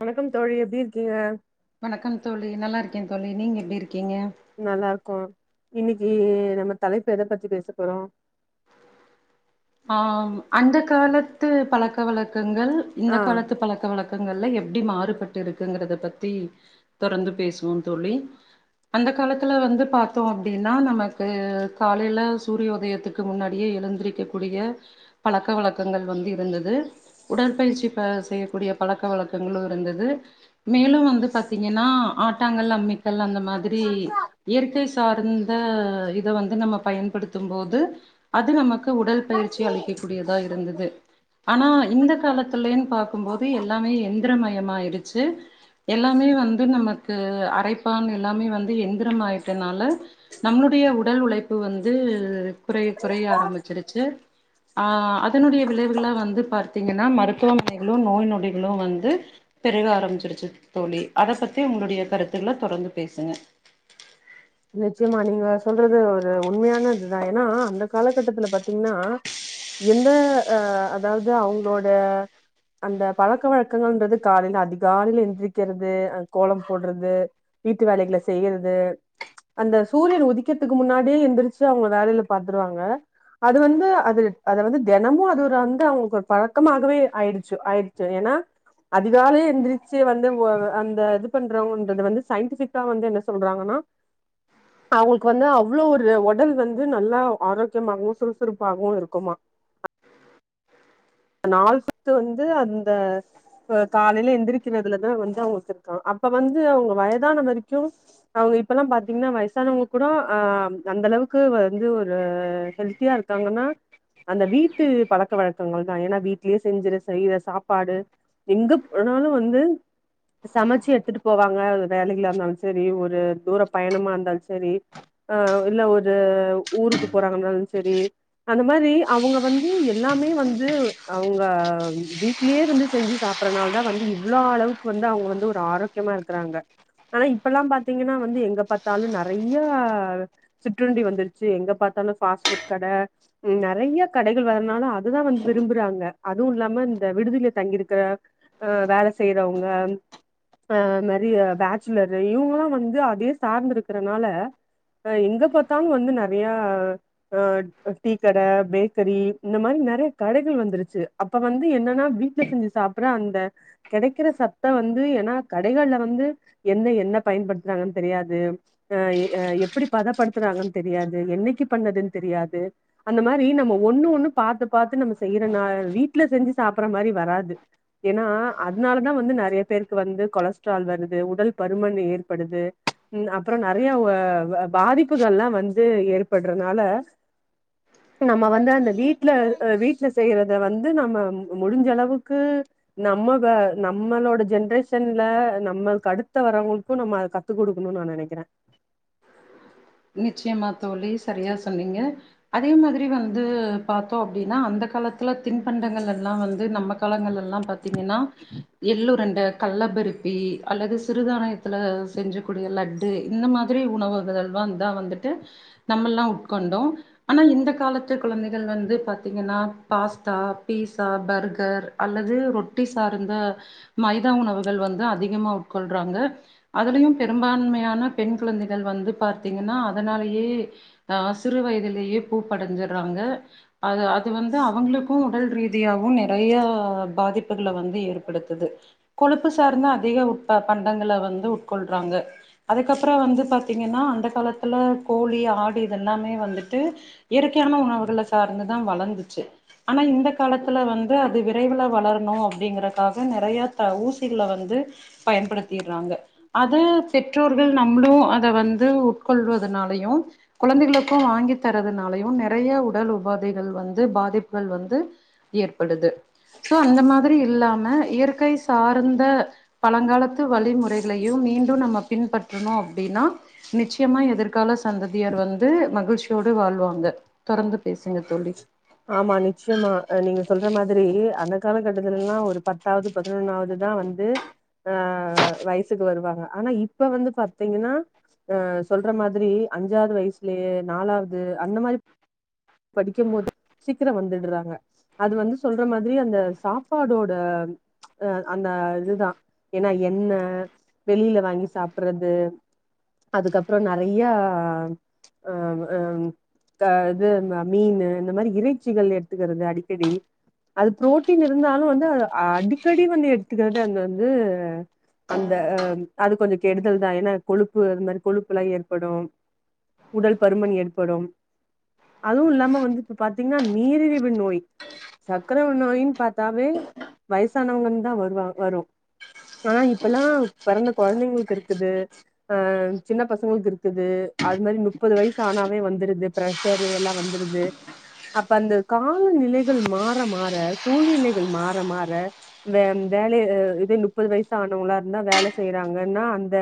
வணக்கம் தோழி எப்டி இருக்கீங்க கே தோழி நீங்க எப்படி இருக் நல்லா இருக்கோ இன்னைக்கு நம்ம தலைப்பு எத பத்தி பேச போறோ ஆ அந்த கால தத்து பழக்க வழக்க ங்கள் இந்த ஆ காலத்து பழக்க வழக் கல எப்டி மாறுபட்டு இருக்குங்கறத பத்தி தொடர்ந்து பேசுவோ தோழி அந்த காலத்துல வந்து பார்த்தோ அப்டின்னா நமக்கு காலைல சூரியோதயத்துக்கு முன்னாடியே எழுந்திரக்க கூடிய பழக்க வழக்கங்கள் வந்து இருந்தது உடற்பயிற்சி ப செய்யக்கூடிய பழக்க வழக்கங்களும் இருந்துது மேலும் வந்து பார்த்தீங்கன்னா ஆட்டாங்கள் அம்மி அந்த மாதிரி இயற்கை சார்ந்த இத வந்து நம்ம பயன்படுத்தும் போது அது நமக்கு உடல் பயிற்சி அளிக்கக்க கூடியதா இருந்துது ஆனா இந்த காலத்தில பார்க்கும்போது எல்லாமே எந்த ந்திரமயமாயிருச்சு எல்லாமே வந்து நமக்கு அரைப்பான் எல்லாமே வந்து எந்திரம் ஆயிட்டனால நம்மளுடைய உடல் உழைப்பு இப்ப வந்து குறைய குறைய ஆரம்பிச்சிருச்சு ஆஹ் அதனுடைய விளைவுகள வந்து பாத்தீங்கன்னா மருத்துவமனைகளும் நோய் நொடிகளும் வந்து பெருக ஆரம்பிச்சிருச்சு தோழி அத பத்தி உங்களுடைய கருத்துக்கள தொடர்ந்து பேசுங்க நிச்சயமா நீங்க சொல்றது ஒரு உண்மையானதுதான் ஏன்னா அந்த காலகட்டத்துல பாத்தீங்கன்னா எந்த அஹ் அதாவது அவங்களோட அந்த பழக்க வழக்கங்கள்ன்றது காலைல அதிகாலையில எந்திரிக்கிறது அ கோலம் போடுறது வீட்டு வேலைகளை செய்யறது அந்த சூரியன் உதிக்கிறதுக்கு முன்னாடியே எந்திரிச்சு அவுங்க வேலையில பாத்துருவாங்க அது வந்து அது அதது வந்து தினமு அது வந்து அவுங்களுக்கு ஒரு பழக்கமாகவே ஆயிடுச்சு ஆயிடுச்சு ஏன்னா அதிகாலே எந்திரிச்சு வந்து அந்த இது பண்றவங்கன்றது வந்து சயின்டிஃபிக்கா வந்து என்ன சொல்றாங்கன்னா அவுங்களுக்கு வந்து அவ்வளவு ஒரு ஒடல் வந்து நல்லா ஆரோக்கியமாகவும் சுறுசுறுப்பாகவும் இருக்குமா நாள் சத்து வந்து அந்த காலைல எந்திரிக்கிறதுலதான் வந்து அவங்களுக்கு இருக்காங்க அப்ப வந்து அவுங்க வயதான வரைக்கும் அவுங்க இப்ப எல்லாம் பாத்தீங்கன்னா வயசானவங்க கூட ஆஹ் அந்த அளவுக்கு வந்து ஒரு ஹெல்த்தியா இருக்காங்கன்னா அந்த வீட்டு பழக்க வழக்கங்கள் ஏன்னா வீட்லயே செஞ்சர சரிர சாப்பாடு எங்க போனாலும் வந்து சமைச்சு எடுத்துட்டு போவாங்க வேலைகளில இருந்தாலும் செரி ஒரு தூர பயணமா இருந்தாலும் செரி ஆஹ இல்ல ஒரு ஊருக்கு போறாங்க இருந்தாலும் செரி அந்த மாரி அவுங்க வந்து எல்லாமே வந்து அவுங்க வீட்லயேவந்து செஞ்சு சாப்பறனால தான் வந்து இவ்வளோ அளவுக்கு வந்து அவுங்க வந்து ஒரு ஆரோக்கியமா இருக்கறாங்க ஆனா இப்பல்லாம் பாத்தீங்கன்னா வந்து எங்க பார்த்தாலும் நெறைய சிற்றுண்டி வந்துருச்சு எங்க பார்த்தாலும் ஃபாஸ்ஃபுட் கட நெறைய கடைகள் வனாலும் அதுதான் வந்து விரும்புறாங்க அதுவும் இல்லாம இந்த விடுதில தங்கிருக்கிற அஹ வேல செய்யறவங்க அஹ அ நெறைய பேச்சுலர் இவங்காம் வந்து அதே சார்ந்த இருக்கறனாலஹ எங்க பாத்தாங்க வந்து நெறையஹ டீக்கட பேக்கரி இந்த மாரி நெறைய கடைகள் வந்துருச்சு அப்ப வந்து என்னன்னா வீட்டுல செஞ்சு சாப்பற அந்த கிடைக்கிற சத்த வந்து ஏன்னா கடைகள்ல வந்து என்ன எண்ணெ பயன்படுத்துறாங்கன்னு தெரியாது அஹ் எப்படி பதப்படுத்துறாங்கன்னு தெரியாது என்னைக்கு பண்ணதுன்னு தெரியாது அந்த மாதிரி நம்ம ஒண்ணு ஒண்ணு பாத்து பாத்து நம்ம செய்றனால வீட்டுல செஞ்சு சாப்ற மாதிரி வராது ஏன்னா அதனாலதான் வந்து நெறைய பேருக்கு வந்து கொலஸ்ட்ரால் வருது உடல் பருமன் ஏற்படுது ம் அப்புறம் நெறைய பாதிப்புகள் எல்லாம் வந்து ஏற்படுறதுனால நம்ம வந்து அந்த வீட்டுல வீட்டுல செய்யறத வந்து நம்ம முடிஞ்ச அளவுக்கு நம்ம நம்மளோட ஜென்ரேஷன்ல நம்மளுக்கு அடுத்த வரவங்களுக்கும் நம்ம அத கத்து கொடுக்கணும்னு நா நெனைக்கிறே நிச்சயமா தோழி செரியா சொன்னீங்க அதே மாதிரி வந்து பார்த்தோம் அப்டின்னா அந்த காலத்துல திண்பண்டங்கள் எல்லாம் வந்து நம்ம காலங்கள் எல்லாம் பாாரத்தீங்கன்னா எள்ளுருண்ட கல்லபருப்பி அல்லது சிறுதானயத்தில் செஞ்சக்கூடிய லட்டு இந்த மாதிரி உணவுகள்லாம் தா வந்துட்டு நம்மல்லாம் உட்கொண்டோ ஆனா இந்த காலத்து குழந்தைகள் வந்து பாத்தீங்கன்னா பாஸ்தா பீட்ஸா பர்கர் அல்லது ரொட்டி சார்ந்த மைதா உணவுகள் வந்து அதிகமா உட்கொள்றாங்க அதுலயூ பெரும்பான்மையான பெண் குழந்தைகள் வந்து பாத் த்தீங்கன்னா அதனாலேயே அ சிறு வயதிலேயே பூப்படைஞ்சடுறாங்க அது‌ அத் து வந்து அவுங்களுக்கூ உடல்ரீதியாவும் நிறைய பாதிப்புகளை வந்து ஏற்படுத்துது கொழுப்பு சார்ந்து அதிக உட்ப பண்டங்கள வந்து உட்ப் கொள்றாங்க அதுக் கப்பறோ வந்து பார்த்தீங்கன்னா அந்தப் காலத்துல கோழி ஆடு இதெல்லாமே வந்துட்டு இயற்கையான உணவுகளை சார்ந்துதான் வளர்ந்துச்சு ஆனா இந்த காலத்துல வந்து அது விரைவுல வளரணும் அப்படிங்கறக்காக நெறைய த ஊசிகள வந்து பயன்படுத்த திறாங்க அது பெற்றோர்கள் நம் நம்ளும் அத வந்து உட் கொள்வதனாலயூ குழந்தைகளுக்கு வாங்கி தரதுனாலயும் நிறைய உடல் உபாதைகள் வந்து பாதிப்புகள் வந்து ஏற்ப் படுது சோ அந்த மாதிரி இல்லாம ம இயற்கை சார்ந்த பழங்காலத்து வழிமுறைகளையு மீண்டும் நம்ம பின்பற்றணு அப்டின்னா நிச்சயம க்கியமா எதிர்கால சந்ததியார் வந்து மகிழ்ச்சியோடு வாழ்வாங்க தொடர்ந்து பேசுங்க தோழி ஆமா நிச்சயமா நீங்க சொல்ற மாதிரி அந்த கால கட்டத்துலல்லா ஒரு பத்தாவது பதினொன்னாவதுதான் வந்து ஆஹ் வயசுக்கு வருவாங்க ஆனா இப்ப வந்து பாத்தீங்கன்னா அஹ் சொல்ற மாதிரி அஞ்சாவது வயசுலேயே நாலாவது அந்த மாதிரிப் படிக்கும்போது சீக்கிரம் வந்துடுறாங்க அது வந்து சொல்ற மாதிரி அந்த சாப்பாடோட அஹ் அந்த இதுதான் ஏன்னா எண்ணெய் வெளியில வாங்கி சாப்படுறது அதுக்கப்புற நிறைய அஹ்அஹ் தாத் து மீனு இந்த மாரி இறைச்சிகள் எடுத்துக்கிறது அடிக்கடி அது புரோட்டீன் இருந்தாலும் வந்து அ அடிக்கடி வந்து எடுத்துக்கிறது அது வந்து அந்தஹ் அது கொஞ்ச கெடுதல் தான் ஏன்னா கொழுப்பு அ மாதிரி கொழுப்பு எல்லாம் ஏற்படும் உடல் பருமன் ஏற்படும் அதுவும் இல்லாம வந்து இப்ப பார்த்தீங்கன்னா நீரிழிவு நோய் சக்கர நோயின்னு பாத்தாவே வயசானவங்கன்னு தான் வருவா வரும் ஆனா இப்பல்லாம் பிறந்த குழந்தைங்களுக்கு இருக்குது அஹ் சின்ன பசங்களுக்கு இருக்குது அது மாதிரி முப்பது வயசு ஆனாவே வந்துருது ப்ரெஸ் சரு எல்லாம் வந்துருது அப்ப அந்த காலநிலைகள் மாற மாற சூழ்நிலைகள் மாற மாற வே வேல இதே முப்பது வயச ஆனவங்களா இருந்தா வேலை செய்யறாங்கன்னா அந்த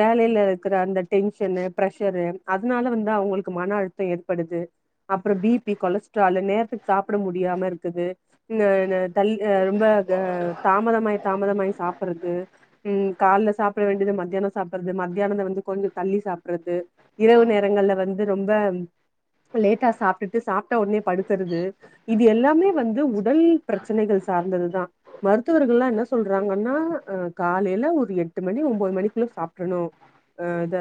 வேலையில இருக்கிற அந்த டென்ஷனு பிரஷரு அதனால வந்து அவங்களுக்கு மன அழுத்தம் ஏற்பட் படுது அப்புறம் பிபி கொலஸ்ட்ரால் நேரத்துக்கு சாப்பிட முடியாம இருக்குது இந்தத‌ தள்ளிஹ் ரொம்ப அஹ் தாமதமாய் தாமதமாயி சாப்பிடுறது உம் காலல சாப்பிட வேண்டியது மத்தியானம் சாப்பிடுறது மத்தியானத்தை வந்து கொஞ்சம் தள்ளி சாப்பிடுறது இரவு நேரங்கள்ல வந்து ரொம்ப லேட்டா சாப்பிட்டுட்டு சாப்பிட்டா உடனே படுக்கறது இது எல்லாமே வந்து உடல் பிரச்சனைகள் சார்ந்ததுதான் மருத்துவர்கல்லாம் என்ன சொல்றாங்கன்னா அஹ் காலையில ஒரு எட்டு மணி ஒன்பது மணிக்குள்ள சாப்பிட்ரணு அஹ் இத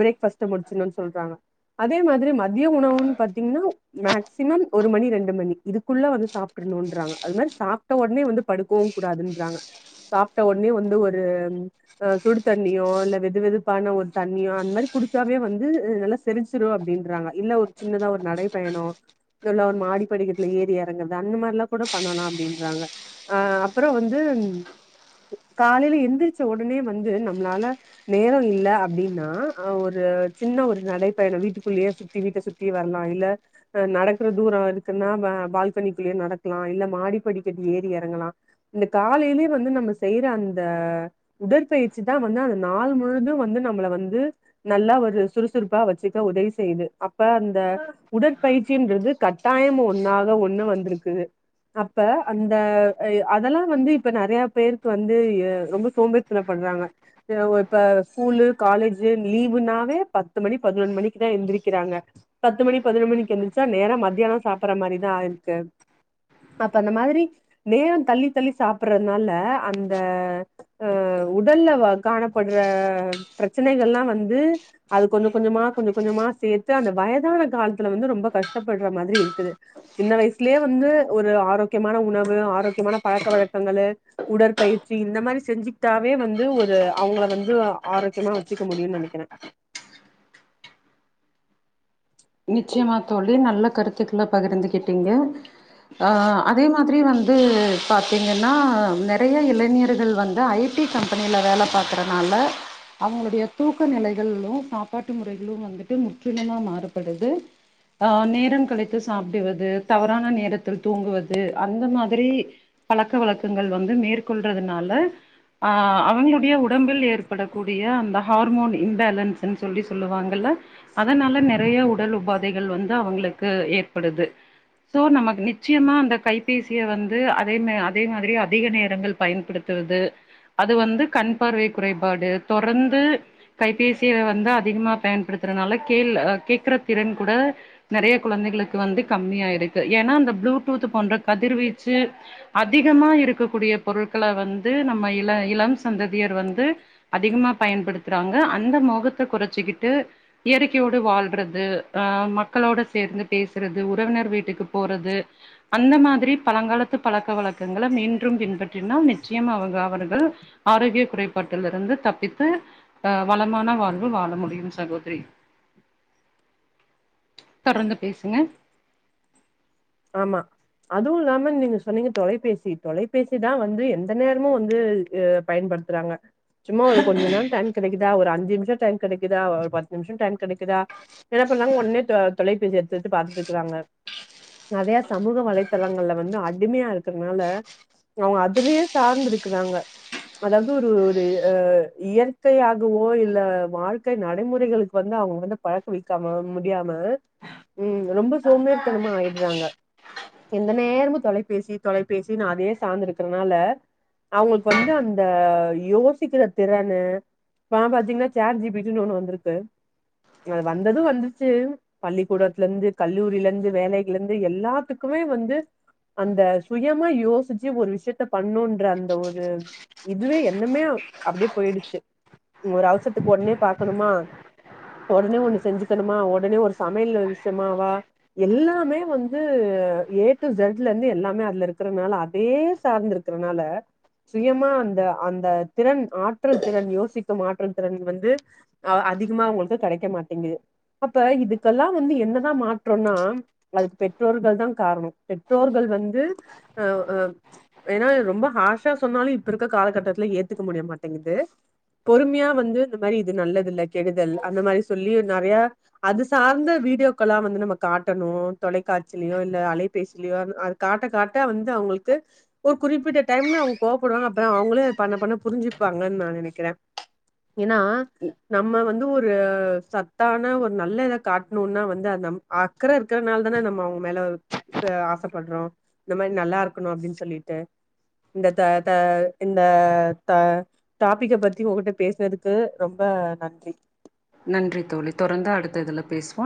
பிரோத்பாஸ்ட முடிச்சணும்னு சொல்றாங்க அதே மாத் ரி மதிய உணவுன்னு பாத்தீங்கன்னா மேக்சிமம் ஒரு மணி ரெண்டு மணி இதுக்குள்ள வந்து சாப்ட்ரணும்ன்றாங்க அது மாதிரி சாப்பிட்ட உடனே வந்து படுக்கவு கூடாதுன்றாங்க சாப்பிட்ட உடனே வந்து ஒரு சுடு தண்ணியோ இல்ல வெது வெதுப்பான ஒரு தண்ணியோ அந்த மாத்ரி குடிச்சாவே வந்து நல்லா செரிச்சிரும் அப்படின் ன்றாங்க இல்ல ஒரு சின்னதா ஒரு நடைப்பயணம் ல்ல ஒரு மாடி படிக்கட்டுல ஏறி இறங்கர்து அந்த மாதிரிலா கூட பண்ணலாம் அப்படின்றாங்க அப்புறம் வந்து காலையில எந்திரிச்ச உடனே வந்து நம்மளால நேரம் இல்ல அப்டின்னா அ ஒரு சின்ன ஒரு நடைப்பயணம் வீட்டுக்குள்ள குள்ளயே சுத்தி வீட்ட சுத்தி வரலா இல்லஹ் நடக்கிற தூரம் இருக்குன்னா பால்கனிக்குள்ளயே நடக்கலாம் இல்ல மாடிப்படிக்கட்டி ஏறி இறங்கலாம் இந்த காலையிலயே வந்து நம்ம செய்யற அந்த உடற்பயிற்சி தான் வந்து அந்த நாள் முழுதும் வந்து நம்மளை வந்து நல்லா ஒரு சுறுசுறுப்பா வச்சுக்க உதவி செய் செய்து அப்ப அந்த உடற்பயிற்சின்றது கட்டாயம் ஒன்னாக ஒண்ணு வந்திருக்குது அப்ப அந்த அதெல்லா வந்து இப்ப நிறைய பேருக்கு வந்து ரொம்ப சோம்பத்தப்படுறாங்க இவுஇப்ப ஸ்கூலுக காலேஜ் லீவுனாவே பத்து மணி பதினொன்னு மணிக்கு எந்திரிக்கிறாங்க பத்து மணி பதினொரு மணிக்கு எந்திரிச்சா நேரா மத்தியானம் சாப்பற மாதிரிதான் ஆ இருக்கு அப்ப அந்த மாதிரி நேரம் தள்ளி தள்ளி சாப்பிடுறதுனால அந்தஹ் உடல்ல காணப்படுற பிரச்சனைகல்லா வந்து அது கொஞ்ச கொஞ்சமா கொஞ்சம் கொஞ்சமா சேர்த்து அந்த வயதான காலத்துல வந்து ரொம்ப கஷ்டப்படுற மாதிரி இருக்குது சின்ன வயசுலயே வந்து ஒரு ஆரோக்கியமான உணவு ஆரோக் கியமான பழக்க வழக்கங்களு உடற்பயிற்சி இந்த மாதிரி செஞ்சுக்கிட்டாவே வந்து ஒரு அவங்கள வந்து ஆரோக்கியமா வச்சுக்க முடியுன்னு நினைக்கிறேன் நிச்சயமா தோழி நல்ல கருத்துக்களை பகிர்ந்துகிட்டீங்க அஹ் அதே மாதிரி வந்து பாத்தீங்கன்னா நிறைய இளைஞர்கள் வந்து ஐடி கம்பெனில வேலை பாக்குறனால அவங்களுடைய தூக்க நிலைகளும் சாப்பாட்டு முறைகளும் வந்துட்டு முற்றிலுமா மாறும் படுது ஆ நேரம் கழித்து சாப்பிடுவது தவறான நேரத்தில் தூங்குவது அந்த மாதிரி பழக்க வழக்கங்கள் வந்து மேற்கொள்றதுனால ஆஹ் அவங்களுடைய உடம்பில் ஏற்படக்கூடிய அந்த ஹார்மோன் இம்பேலன்ஸ்ன்னு சொல்லி சொல்லுவாங்கல்ல அதனால நேர்த் நிறைய உடல் உபாதைகள் வந்து அவங்களுக்கு ஏற்படுது சோ நமக்கு நிச்சயமா அந்த கைபேசியை வந்து அதே நே அதே மாதிரி அதிக நேரங்கள் பயன்படுத்துரது அது வந்து கண் பார்வை குறைபாடு தொடர்ந்து கைபேசிய வந்து அதிகமா பயன்படுத்துறனால கேல் அ கேக்கற திறன் கூட நிறைய குழந்தைகளுக்கு வந்து கம்மியாயிடுது ஏன்னா அந்த ப்ளூடூத் போன்ற கதிர்வீச்சு அதிகமா இருக்கக்கூடிய பொருட்களை வந்து நம்ம இள இளம் சந்ததியர் வந்து அதிகமா பயன்படுத்துறாங்க அந்த மோகத்தை குறைச்சிக்கிட்டு இயற்கையோடு வாழ் படுது அஹ் மக்களோட சேர்ந்து பேசுறது உறவினர் வீட்டுக்கு போறது அந்த மாதிரி பழங்காலத்து பழக்க வழக்கங்களை மீண்டும் பின்பற்றினால் நிச்சயம் அவங்க அவர்கள் ஆரோக்கிய குறைபாட்டில இருந்து தப்பித்து அஹ் வளமான வாழ்வு வாழ முடியும் சகோதரி தொடர்ந்து பேசுங்க ஆமா அதுவும் இல்லாம நீங்க சொன்னீங்க தொலைபேசி தொலைபேசி தான் வந்து எந்த நேரமும் வந்து ஹு பயன்படுத்துறாங்க சும்மா ஒரு கொஞ்ச நாள் டைம் கிடைக்குதா ஒரு அஞ் நிமிஷ டைம் கெடைக்குதா ஒரு பத்து நிமிஷம் டைம் கெடைக் கிடைக்குதா என்ன பண்ணாங்க ஒன்னே தொ தொலைப் எடுத்துட்டு பாத்துட்டு இருக்கறாங்க நெறையா சமூக வலைத்தளங்கள்ல வந்து அடிமையா இருக்கறனால அவங்க அதுலயே சார்ந்து இருக்கிறாங்க அதாவது ஒரு ஒரு அஹ் இயற்கையாகவோ இல்ல வாழ்க்கை நடைமுறைகளுக்கு வந்து அவங்க வந்து பழக்க வக்காம முடியாம உம் ரொம்ப சோம்பேர்த்தனமா ஆயி தங்க எந்த நேரமும் தொலைபேசி தொலைபேசி அதே சார்ந்தருக்கறனால அவங்களுக்கு வந்து அந்த யோசிக்கிற திறனு பாத்தீங்கன்னா சாட் ஜி பீட்டினு ஒண்ணு வந்திருக்கு அது வந்தது வந்துருச்சு பள்ளிக்கூடத்துல இருந்து கல்லூரியில இருந்து வேலை இருந்து எல்லாத்துக்குமே வந்து அந்த சுயமா யோசிச்சு ஒரு விஷயத்த பண்ணும்ன்ற அந்த ஒரு இதுவே என்னமே அப்படியே போயிடுச்சு ஒரு அவசரத்துக்கு உடனே பாக்கணுமா உடனே ஒண்ணு செஞ்சுக்கணுமா உடனே ஒரு சமையல் விஷயமாவா எல்லாமே வந்து ஏ டு ஜட்ல இருந்து எல்லாமே அதுல இருக்கறனால அதே சார்ந்து இருக்கறனால சுயமா அந்த அந்த திறன் ஆற்றல் திறன் யோசிக்கும் ஆற்றல் திறன் வந்து அஹ் அதிகமா உங்களுக்கு கிடைக்க மாட்டேங்குது அப்ப இதுக்கெல்லாம் வந்து என்னதான் மாற்றம்னா அதுக்கு பெற்றோர்கள் தான் காரணம் பெற்றோர்கள் வந்து அஹ்ஹ ஏன்னா ரொம்ப ஹாஷா சொன்னாலும் இப்ப இருக்க காலகட்டத்துல ஏத்துக்க முடிய மாட்டேங்குது பொறுமையா வந்து இந்த மாதிரி இது நல்லது இல்லை கெடுதல் அந்த மாதிரி சொல்லி நிறைய அது சார்ந்த வீடியோக்களா வந்து நம்ம காட்டணும். தொலைக்காட்சிலயோ இல்ல அலைபேசியிலயோ அது காட்ட காட்ட வந்து அவங்களுக்கு ஒரு குறிப்பிட்ட டைம்ல அவங்க கோப்படுவாங்க அப்புறம் அவங்களே அது பண்ண பண்ண புரிஞ்சுப்பாங்கன்னு நான் நினைக்கிறேன் ஏன்னா நம்ம வந்து ஒரு சத்தான ஒரு நல்ல இதை காட்டணும்னா வந்து அக்கற இருக்கறனால நம்ம அவங்க மேல ஆசைப்படுறோம் இந்த மாதிரி நல்லா இருக்கணும் அப்படின்னு சொல்லிட்டு இந்த த த இந்த த டாபிக்க பத்தி உகிட்ட பேசினதுக்கு ரொம்ப நன்றி நன்றி தோழி தொடர்ந்து அடுத்த இதுல பேசுவோன்